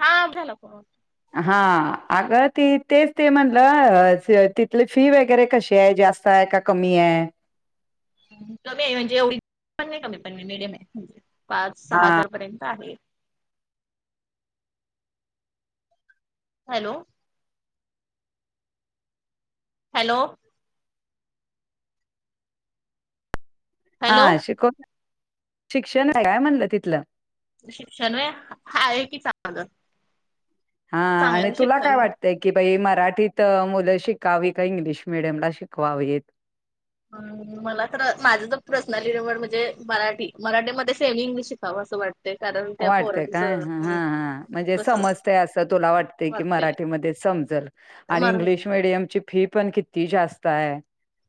हा झाला फोन. हा अग ती तेच ते म्हणलं तिथली फी वगैरे कशी आहे जास्त का कमी आहे? कमी आहे म्हणजे एवढी पण नाही कमी पण म्हणे मिडियम आहे म्हणजे पाच सहा हा हजार पर्यंत आहे. हॅलो! हॅलो! हॅलो हा शिकव, शिक्षण आहे काय म्हणलं तिथलं. शिक्षण होय आहे की चांगलं. हा आणि चांगलं तुला काय शिक्षण वाटत ते की बाई मराठीत मुलं शिकावी का इंग्लिश मिडियमला शिकवावीत मला तर माझं आस प्रर्सनलि निवड म्हणजे मराठी मराठीमध्ये सेम इंग्लिश शिकावं असं वाटत वाटतेय काय हा हां म्हणजे तसं समजत असं तुला वाटतय की वाटतंय मराठीमध्ये समजल. आणि मर इंग्लिश मिडियम ची फी पण किती जास्त आहे.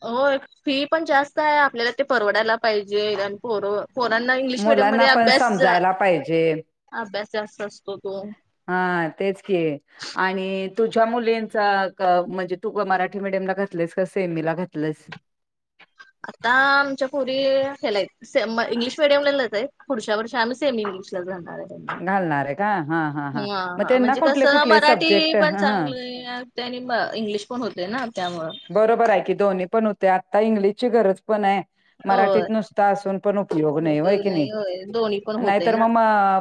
हो फी पण जास्त आहे आपल्याला ते परवडायला पाहिजे आणि पोर अ, पोरांना इंग्लिश मिडियम मुलांना मध्ये पण अभ्यास समजायला पाहिजे अभ्यास जास्त असतो तो. हा तेच की! आणि तुझ्या मुलींचा म्हणजे तू मराठी मिडियमला घातलेस का सेमी ला घातलंस? आता आमच्या पोरी हेला आहेत इंग्लिश मिडियमला च हायत. पुढच्या वर्षी आम्हीे सेमी इंग्लिशलाच घालणार आहे. घालणार आहे का? हां, हां, हां. हा मग हा त्यांना म्हणजे कस कुठले कुठले मराठी सब्जेक्ट पण हां, चांगलं आहे तय आणि इंग्लिश पण होतय ना त्यामुळ बरोबर हाय की दोन्हीं पण होतय आत्ता इंग्लिश ची गरज पण आहे. होय मराठीत नुसतं असून पण उपयोग नाही होय की नाय होय दोन्ही पण होतय नाहीतर ना. मग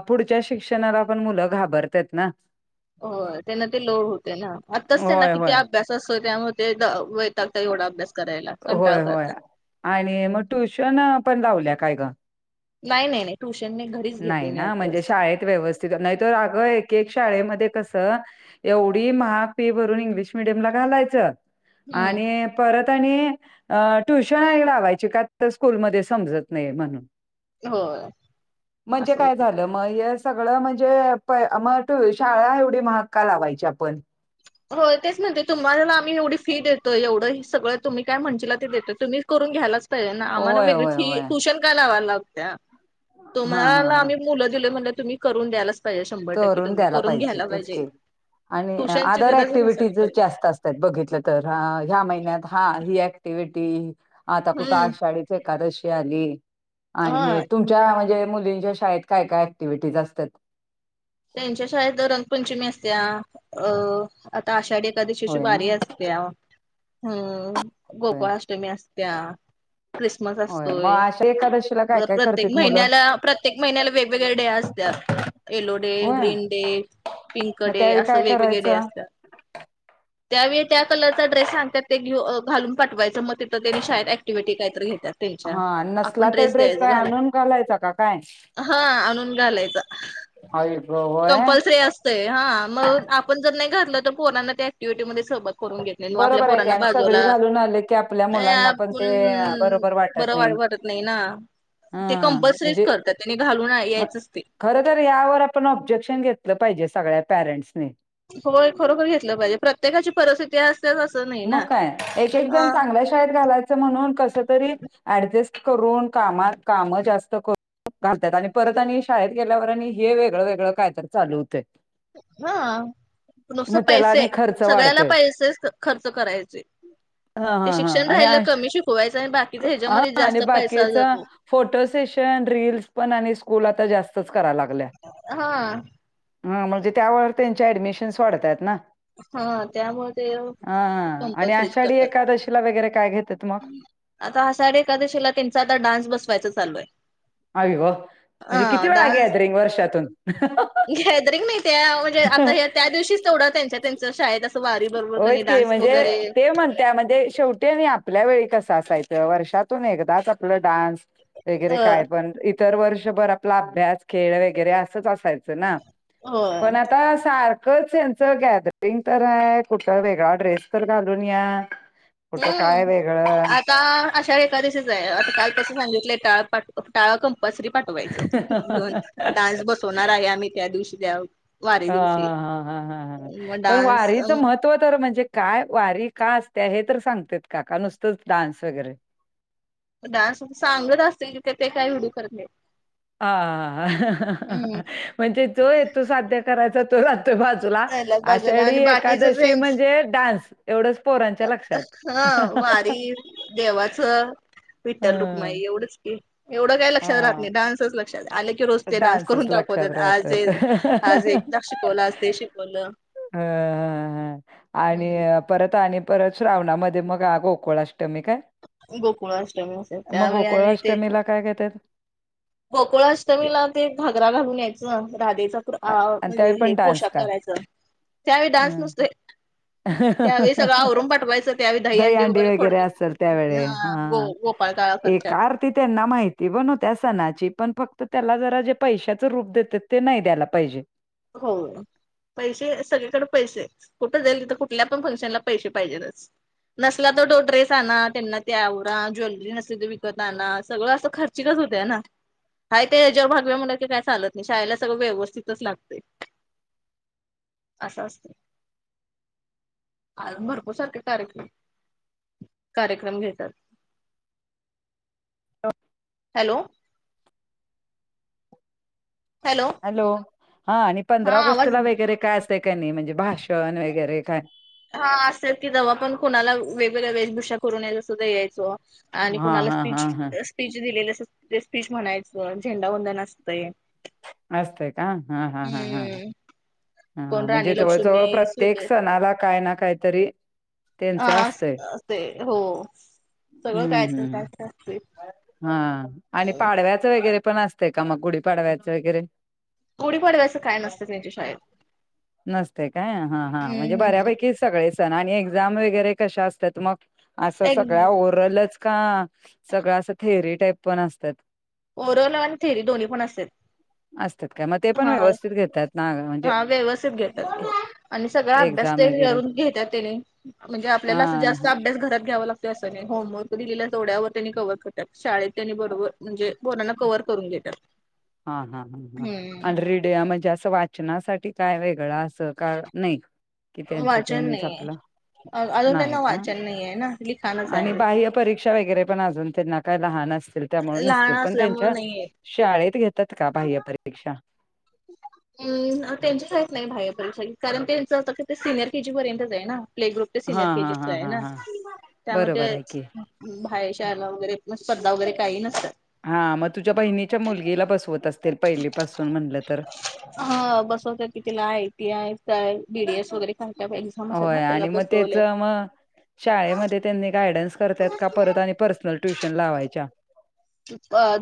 पुढच्या शिक्षणाला पण मुलं घाबरत्यात ना. हो त्यांना ते लोड होते ना आताच त्यांना होय, किती होय. अभ्यास असतो त्यामुळे ते व वैतागत एवढा अभ्या करायला कंटाळ होय, होय. करतात. आणि मग ट्युशन पण लावल्या काय ग? नाही नाही नाही! ट्यूशन नाय. नाही ना म्हणजे शाळेत व्यवस्थित नाही तर अग एक एक शाळेमध्ये कसं एवढी महाग फी भरून इंग्लिश मिडियमला घालायचं हम्म आणि परत आणि ट्युशन आणिक लावायचे का तर स्कूलमध्ये समजत नाही म्हणून. होय. म्हणजे असं होत. काय झालं मग हे सगळं म्हणजे मग शाळा एवढी महाग का लावायची आपण? होय तेच ना तुम्हाला आम्ही एवढी फी देतोय एवढं सगळं तुम्ही काय म्हणचीला ते देतोय तुम्ही करून घ्यायलाच पाहिजे ना आम्हाला होय वेगळी होय फी होय ट्युशन का लावायला लागत्या! हा हा तुम्हाला हा आम्ही मुलं दिले म्हणल्यावर तुम्ही करून द्यायलाच पाहिजे शंभर टक्के करून तुम्ही द्यायला करून पाहिजे घ्यायला तेच की आणि ट्युशनची अदर गरजच नसायला ऍक्टिव्हटीज पाहिजे. जास्त असत त्यात बघितलं तर ह्या महिन्यात हा ही ऍक्टिव्हटी आता कुठे हम्म आषाढी एकादशी आली हा आणि तुम च्या म्हणजे मुलींच्या शाळेत काय काय ऍक्टिव्हिटीज असत्यात? त्यांच्या शाळेत रंगपंचमी असत्या अ आता आषाढी एकादशीची होय ना वारी अस तिया हम्म! गोपाळ अष्टमी असत्या ख्रिसमस असतोय. म अशा एकादशीला काय काय प्रत्येक करतेत मुलं महिन्याला प्रत्येक महिन्याला वेगवेगळे डे असत्यात एलो होय ग्रीन डे पिंक मग डे त्यावेळी असं काय वेगवेगळे डे करायचं असते? त्यावेळी त्या कलरचा ड्रेस सांगतात ते घालून पाठवायच म- ति त्यांनी शाळेत क्टिव्हटी काहीतरी घेतात ते अच्छा हा नसला आपण तर ड्रेस द्यायच काय घाल आणून घालायचा का काय हा आणून घालायच? आई ग व. कंपल्सरी असतंय हा मग आपण जर नाही घातलं तर पोरना त्या ऍक्टिव्हिटीमध्ये सह करून घेतले आपल्या बरोबर आहे की पोरांना आणि बाजूला सगळी घालून आले की आपल्या मुलांना पण आपण ते बरोबर बर वाटत वा वाटत.. नाही ना ते हा कंपल्सरीच करतात त्याने घालून यायचच ते.. खर तर यावर आपण ऑब्जेक्शन घेतलं पाहिजे सगळ्या पॅरेटन्स ने. होय खरोखर घेतलं पाहिजे प्रत्येकाची परिस्थिती. स अस नाही. ना. मग काय एक एक हा. जण चांगल्या- घालायच म्हणून कस तरी अडजस्ट करून कामात काम जास्त करून.. घालत्यात आणि परत आणि शाळेत गेल्यावर आणि हे वेगळं वेगळं कायतर चालू होतंय.. हा मग त्याला पैसे आणि खर्च सगळ्याला वाढतोय. पैसे खर्च करायचे. हा ते हा हा शिक्षण आणि राहालं अश कमी शिकवायचं आणि क- बाकीचा हा ह्याच्यामध्ये आणि जास्त पैसा बाकीचा जातो. फोटो सेशन रिल्स पण आणि स्कूल आता जास्तच करा लागलय. हा ह म्हणजे त्यावर त्यांच्या ऍडमिशन्स वाढतात ना? हा त्यामुळे ते हा हा आणि कंपल्सरीच आषाढी करतात. एकादशीला वगैरे काय घेतेत मग. आता आषाढ एकादशीला त्यांचा आता डान्स बसवायचा चालू आहे? आई ग! म्हणजे अ किती वेळा डान्स ग्रॅद्रीग आहे वर्षातून गॅदरिंग नाही त्या म्हणजे आता त्या दिवशीच तेवढं त्यांच्यात- होयच की म्हणजे वगैरे ते म्हणत्या म्हणजे शेवटी ते आपल्या वेळी कस असायचं वर्षातून एकदाच आपलं डान्स वगैरे अ काय पण इतर वर्षभर आपला अभ्यास खेळ वगैरे असंच असायचं ना? होय. पण आता सारख च यांचं गॅदरिंग तर आहे कुठं वेगळा ड्रेस तर घालून या. कुठं काय हम्म वेगळं. आ का आषाढ एकादशीच आहे आता कालपसून सांगितलंय टाळ पाठवु टाळ कॅम्पलसरी. बासरी पाठवायचं दोन डान्स बसवणार आहे आम्ही त्या दिवशी द्या हा हा हा हा हा हा मग पण डान्स वारीचं महत्व. त तर म्हणजे काय वारी का असते हे तर सांगते का का नुसतंच डान्स वगैरे. स सांगत असते की ते काय व्हिडिओ करत नाही? आ हम्म म्हणजे जो येतो साध्य करायचा तो राहतोय बाजूला राहिल्यात बाजूला आषाढी आणि बाकीच एकादशी म्हणजे डान्स एवढंच पोरांच्या लक्षात. ह वारी देवाचं विठ्ठल हं, रुक्माई एवढंच की एवढं काय लक्षात राहत हां. नाही डान्सच लक्ष आलेखी रोज ते डान्स करून डान्सच लक्षात दाखवतात आज राहतोय. आज एकदा शिकवलं आज ते शिकवलं? अ ह आणि परत आणि परत श्रावणामध्ये मग गोकुळाष्टमी काय? गोकुळाअष्टमी असे मग त्यावेळी आणि ते गोकुळाष्टमीला काय करतात. गोकुळ अष्टमीला ते घागरा घालून यायचं राधेचा.. आ- आणि म्हणजे त्यावेळी हे पण डान्स पोशाख का? करायचं त्यावेळी डान्स हं. नसतोय. त्यावेळी सगळं आवरून पाठवायचं त्यावेळी दही अंडी दहीहंडी वगैरे फोडते असेल ग- पळ काय. एका आरती त्यांना माहिती बण होत्या सणाची पण फक्त त्याला जरा जे पैशाचं रूप देते ते नाही द्यायला पाहिजे. हो! पैसे सगळीकडे पैसे कुठं जाईल तर कुठल्या पण फंक्शनला पैसे पाहिजेतच. नसला तर तो ड्रेस आणा त्यांना ते आवरा ज्वेलरी नसली तर विकत आणा सगळं असं खर्च खर्चिक होत ना हाय ते याच्यावर भागवू या काही चालत नाही शाळेला सगळं व्यवस्थितच लागतं. असं असतं आ भरपूर सारखे कार्यक्रम कार्यक्रम घेतात. हो हॅलो हॅलो हॅलो हा आणि हा पंधरा आवाज ऑगस्टला वगैरे काय असतंय का नाही म्हणजे भाषण वगैरे काय? हा असं की जव्हा पण कोणाला वेगवेगळ्या वेशभूषा करून याय सुद्धा यायचो आणि हां कुणाला हां स्पीच हां हां स्पीच दिलेली असं ते स्पीच म्हणायचं झेंडावंदन असतंय. असतंय का हा हा हा हा हम्म कोण हा म्हणजे राणी लक्ष्मी जवळजवळ प्रत्येक सुरे सणाला काय ना काही तरी अ असं ते हो सगळं काय हम्म तर हम्म काय तर असते हा आणि पाडव्याचं वैगरे पण असते का मग गुढी पाडव्याचं वगैरे गुढीपाडव्याच काय नसतं त्यांच्या शाळेत नसते काय हा हां म्हणजे हम्म हम्म बऱ्यापैकी सगळे सण आणि एक्झाम वगैरे कशा असत्यात मग? असं सगळ्या एक ओवरलच का सगळं असं थेअरी टाईप पण असतात. ओरल आणि थेरी दोन्ही पण असतात असतात का मग ते पण हा व्यवस्थित घेतात. ना म्हणजे हा व्यवस्थित घेतात आणि सगळा अभ्यास एक्झाम ते वगैरे करून घेतात त्यानी म्हणजे हा आपल्याला असं हा जास्त अभ्यास घरात घ्यावं लागतं असं नाही होमवर्क दिलेल्या जोड्यावर त्यांनी कवर करतात शाळेत त्यांनी बरोबर म्हणजे पोरांना कव्ह करून घेत्यात हा हा हा हा आणि रिडया म्हणजे असं वा शिक्षणासाठी काय वेगळं असं का नाही कि त्यांचं वाचन त्यांनीच नाहीये आपलं अजून नाही त्यांना का वाचन नाही आहे ना लिखाणच आहे. शिक्षा वगैरे पण अजून त्यांना काही लहान असतील त्यामुळे लहान नसतील पण असल्यामुळे त्यांच्या नाहीये. शाळेत घेतात का बाह्य परीक्षा? हम्म त्यांची काहीत नाही बाह्य परीक्षा कारण त्यांच आ ते सिनियर केजी पर्यंतच आहे ना. प्ले ग्रुप ते हा सिनियर हा केजीच हा आहे हा ना हा बरोबर त्यामुळे आहे की ते बाहेर शाला वगैरे स्पर्धा वगैरे काही नसतात. हा मग तुझ्या बहिणीच्या मुलगीला बसवत असतील पहिलीपासून म्हणलं तर हा बसवत की तिला आयटी आय काय बीडीएस वगैरे काय असतात ना होय त्याला आणि मग त्याच बसवल्या मग शाळेमध्ये त्यांनी गायडन्स करतायत का परत आणि पर्सनल ट्युशन लावायच्या?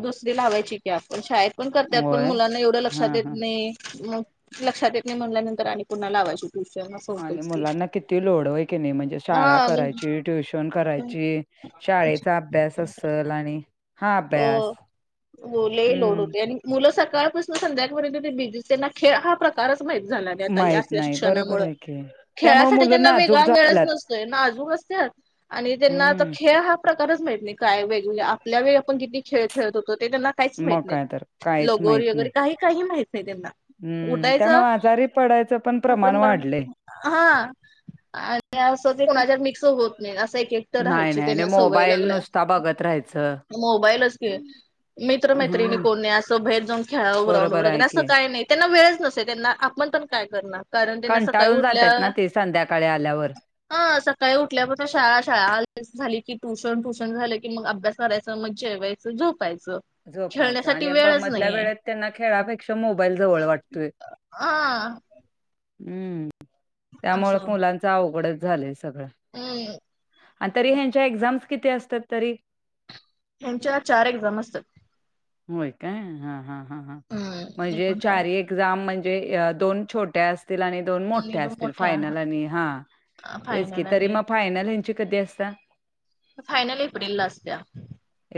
दुसरी लावायची की आपण शाळेत पण करतात पण होय मुलांना एवढं लक्षात हा येत हा नाही मग लक्षात येत नाही म्हणल्यानंतर आणि पुन्हा लावायचित [inaudible] आणि मुलांना किती लोड होय की नाही म्हणजे हा शाळा म्हणजे करायची ट्युशन करायची. शाळेचा अभ्यास असलं आणि हा अभ्यास हो लय लोड हम्म होते आणि मुलं सकाळपासून संध्याळपर्यंत ते बिझी ना खेळ हा प्रकार प्रकारच माहित झालं नाही आता या माहित असल्या नाही बरोबर शिक्षणामुळे आहे की त्यामुळे खेळासाठी मुलं त्यांना नाजूक वेगळा वेळच झाल्यात नसतोय नाजूक असते आणि त्यांना आता हम्म खेळ हा प्रकारच माहित नाही काय वेगवेग आपल्या वेळ आपण किती खेळ खेळत होतो ते त्यांना काहीच मग माहित काय तर नाही काहीच लगोरी माहित नाही वगैरे काही काही माहित नाही त्यांना हम्म उठायचं त्यामुळे आजारी पडायचं पण प्रमाण आपण बर वाढलंय हा आणि असं ते कोणाच्या मिक्स होत नाही असं एक एकटं नाही राहायची नाही आणि त्यांना सवय मोबाईल लागल्या नुसता बघत राहायचं मोबाईलच क मित्रं मैत्रिणीं हम्म कोणी असं भेट जाऊंन खेळावं ग्राउंड बरोबर आहे वगैरें असं की कांहीं नाहीं त्यांनां वेळचं नसे त्यांनां आपणं पणं कायं करणारं कारणं त्यांनां सकाळीं उठल्यां संध्याकांळी आल्यांवर हं सकाळीं उठल्यांपासून शाळां शाळां झालीं की ट्युशनं ट्युशनं झालं की मंग अभ्यांस करायंचा मं जेवायचं झोपायचं झोपांयचं खेळण्यासाठी आणि वेळच मंधल्यां नाहीये वेळेतं त्यांनां खेळापेक्षा मोबाईल जवळं वाटतोय हा हम्मं त्यामुळें मुलांचं अवघडचं झालंय सगळं हम्मं आणि तरी ह्यांच्या एक्झांम्स किती असतांत तरी हच्यां चार एक्झांम असतांत होयं कायं हां हां हं हं हम्म म्हणजे एकूण चार चारी एक एक्झांम म्हणजे दोन छोट्यां तरी मंग दोन आणि मोठ्या दोन असतील मोठ्या फायनल आणि हां तेचं की फायनल तरी आणि मंग फायनल यांची कधीं असतां फायनल एप्रिलला असत्या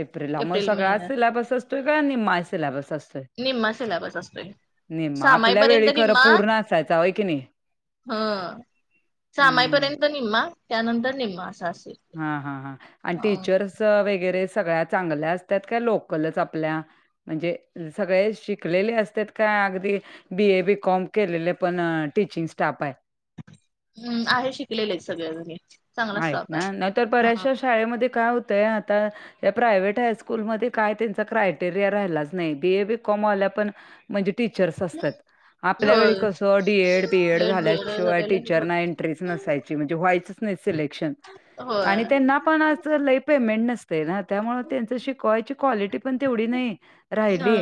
एप्रिललां मंग एप्रिल सगळं महिन्यात सिल्याबसचं सगळां निमा सिल्याबसं असतों चं निम्मा सिलेबस असतोय निमा आपल्यां सामाईपर्यंत वेळी खरं पूर्ण असायचं होयं की नाहीं हां हम्मं दि पर्यंत निम्मां त्यांनंतर निम्मां असां असेलं हां हां हां आणि टीचर्स वगैरें सगळ्यां चांगल्यां असतांत कां लोकलचं आपल्यां म्हणजे सगळें शिकलेले असतांत कां अगदीं बी ए बी कॉम केलेले पणं टीचिंग स्टांफ आहे हम्मं आहे शिकलेले आहेतं सगळेजंनी आहेत नां नाहीतर बऱ्यांचश्या शाळेमंध्ये कायं होतंय आतां त्यां प्रायव्हेट हांयस्कूलमंध्ये कायं त्यांच्या क्रायटेरिया राहिल्याचं नाहीं बीए बी कांमं वांल्यां पणं म्हणजे टीचर्स असतांत आपल्यां वेळी होय कसं डीएड बीएड हेड बिएड झाल्यांशिवायं झालेलं टीचरनां एंटरेट नसांयची म्हणजे व्हायचं सिलेक्शंन आणि होय. ते नां पणं लंय पेमेंट नसती ते नां त्यामुळें त्यांचं शिकवांयची क्वालिटी पणं तेवढी नाहीं राहिली ह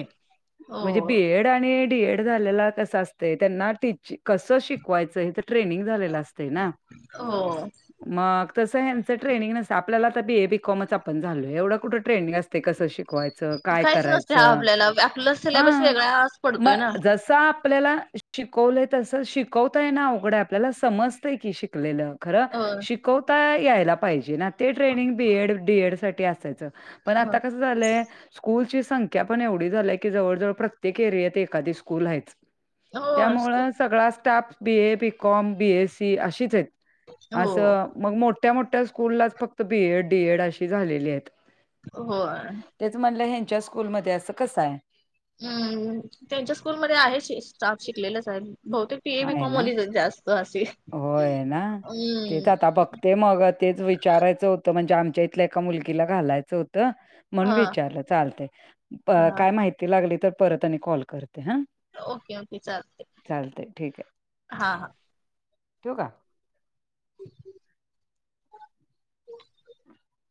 हो म्हणजे बीएड आणि डीएड झालेलां कसं असतंय त्यांनां ती कसं शिकवायचं ट्रेनिंग झालेलां असतें नां हो मंग तसं हचं ट्रेनिंग नसं आपल्यालां तरं बीएबीकॉमचं आपणं झालंय एवढं कुठे ट्रेनिंग असतें कसं वांयचं कायं काहीच नसते हा करायचं आपल्याला आपला सिलेबस हां वेगळाच मं पडतोय ना आपल्यालां शिकवलंय तसं शिकवतांय नां अवघडं आपल्यालां समजतंय की शिकलेलं खरं अ कोयतां यायंला पाहिजे नां ते ट्रेनंग बीड डीड सांठी असायचं पणं होय. आतां कसं झालंय स्कूंलची संख्या पणं एवढी झालीयं की जवळंजवळं प्रत्येक एरियातं एखांदी स्कूंल आहेचं हो स्कू त्यामुळें सगळां स्टांफ बीए बीकॉम बीएससी अशीचं आहेतं हो असं मंग मोठ्यां मोठ्यां स्कूंललाचं फक्तं बीएड डीएड अशी झालेली आहेतं हो तेचं म्हणलं ह्यांच्या स्कूंलमंध्ये असं कसं आहे हम्मं त्यांच्या स्कूंलमंध्ये आहे शिकलेलंच आहे बहुतेक ते बीए आहे बीकॉम ना. वांलेचं जास्तं असे हम्मं ते मंग तेचं विचारायचं होतं म्हणजे आमच्यां इथल्यां एकां मुलगीलां घालायचं होतं मणं हा विचारलं चालते हा कायं माहिती लागली तरं परंत आणि कॉल करते हां ओके ओके चालते. चालते ठीक आहे. हा हा ठेऊ का? ह